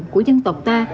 của dân tộc ta